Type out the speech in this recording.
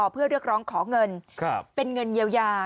เพื่อเรียกร้องขอเงินเป็นเงินเยียวยา